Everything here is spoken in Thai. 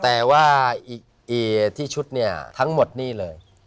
แต่ว่าที่ชุดเนี่ยทั้งหมดนี่เลย